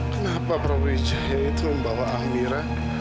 kenapa prabu wijaya itu membawa amira